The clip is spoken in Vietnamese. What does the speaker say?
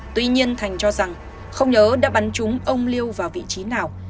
tuy nhiên thành cho rằng không nhớ đã bắn chúng ông liêu vào vị trí nào